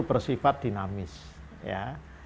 bersifat dinamis ya